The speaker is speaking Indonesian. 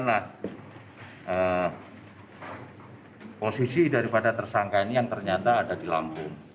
nah posisi daripada tersangka ini yang ternyata ada di lampung